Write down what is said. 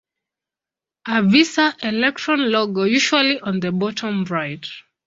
A Visa Electron logo, usually on the bottom right.